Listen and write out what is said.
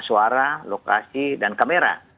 suara lokasi dan kamera